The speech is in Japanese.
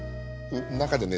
中でね